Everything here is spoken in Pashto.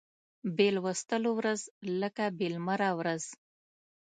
بې لوستلو ورځ لکه بې لمره ورځ